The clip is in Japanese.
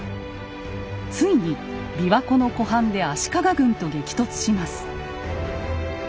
ついに琵琶湖の湖畔で足利軍と激突します。